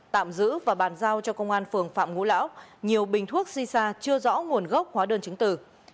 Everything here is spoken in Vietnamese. tạm giữ và bàn giao cho công an phường phạm ngũ lão nhiều bình thuốc shisha chưa rõ nguồn gốc hóa đơn chứng tử